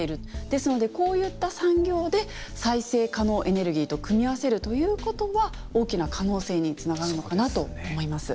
ですのでこういった産業で再生可能エネルギーと組み合わせるということは大きな可能性につながるのかなと思います。